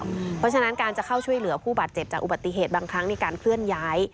เพราะฉะนั้นการจะเข้าช่วยเหลือผู้บาดเจ็บจากอุบัติเหตุบางครั้งในการเคลื่อนย้าย